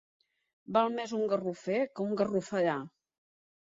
Val més un garrofer que un garroferar.